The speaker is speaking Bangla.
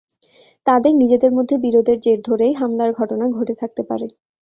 তাঁদের নিজেদের মধ্যে বিরোধের জের ধরেই হামলার ঘটনা ঘটে থাকতে পারে।